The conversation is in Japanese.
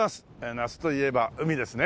夏といえば海ですね。